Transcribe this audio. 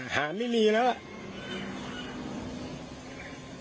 หาไม่มีแล้ว